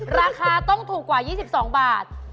ราคาต้องถูกกว่า๒๒บาท